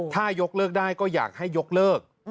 ถ้ายกเลิกได้ก็อยากให้ยกเลิก